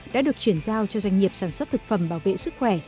đã được chuyển giao cho doanh nghiệp sản xuất thực phẩm bảo vệ sức khỏe